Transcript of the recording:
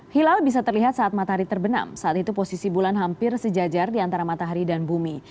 hilal bisa terlihat saat matahari terbenam saat itu posisi bulan hampir sejajar di antara matahari dan bumi